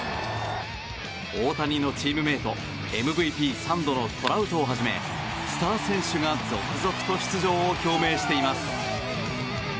大谷のチームメートＭＶＰ３度のトラウトをはじめスター選手が続々と出場を表明しています。